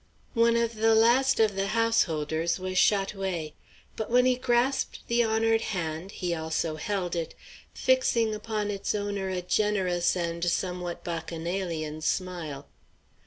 One of the last of the householders was Chat oué. But when he grasped the honored hand, he also held it, fixing upon its owner a generous and somewhat bacchanalian smile.